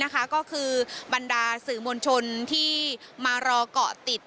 ก็คือบรรดาสื่อมวลชนที่มารอเกาะติด